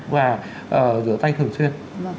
và rửa tay thường xuyên